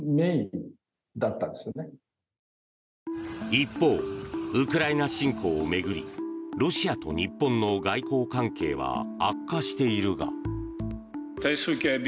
一方、ウクライナ侵攻を巡りロシアと日本の外交関係は悪化しているが。